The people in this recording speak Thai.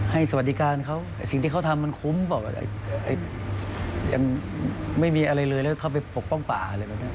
ให้สวัสดิการเขาสิ่งที่เขาทำมันคุ้มยังไม่มีอะไรเลยแล้วเข้าไปปกป้องป่า